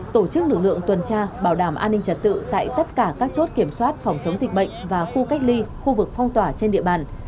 tổ chức lực lượng tuần tra bảo đảm an ninh trật tự tại tất cả các chốt kiểm soát phòng chống dịch bệnh và khu cách ly khu vực phong tỏa trên địa bàn